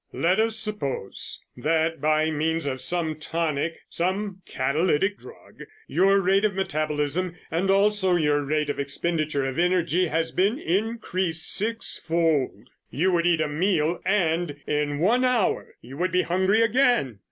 "Let us suppose that by means of some tonic, some catalytic drug, your rate of metabolism and also your rate of expenditure of energy has been increased six fold. You would eat a meal and in one hour you would be hungry again.